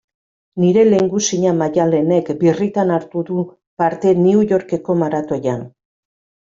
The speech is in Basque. Nire lehengusina Maialenek birritan hartu du parte New Yorkeko maratoian.